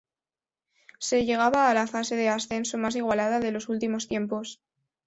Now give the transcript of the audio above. Se llegaba a la fase de ascenso más igualada de los últimos tiempos.